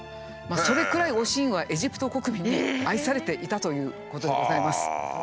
それくらい「おしん」はエジプト国民に愛されていたということでございます。